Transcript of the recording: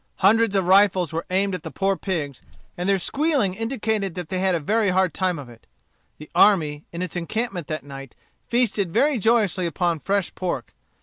Hundreds of rifles were aimed at the poor pigs, and their squealing indicated that they had a very hard time of it. The army, in its encampment that night, feasted very joyously upon fresh pork.